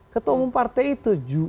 ketua umum partai itu